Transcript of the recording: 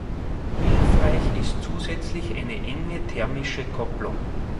Hilfreich ist zusätzlich eine enge thermische Kopplung.